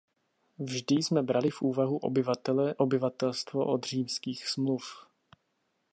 Vždy jsme brali v úvahu obyvatele, obyvatelstvo, od Římských smluv.